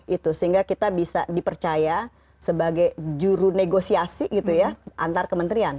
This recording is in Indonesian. itu sehingga kita bisa dipercaya sebagai juru negosiasi gitu ya antar kementerian